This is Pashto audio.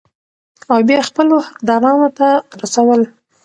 او بيا خپلو حقدارانو ته رسول ،